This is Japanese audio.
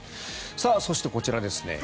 そして、こちらですね。